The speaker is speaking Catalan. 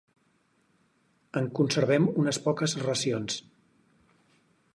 En conservem unes poques racions.